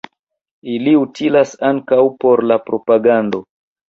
Ili utilas ankaŭ por la propagando.